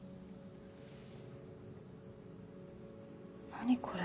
何これ。